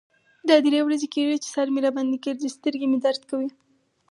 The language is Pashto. دا درې ورځې کیږی چې سر مې را باندې ګرځی. سترګې مې درد کوی.